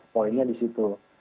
poinnya di situ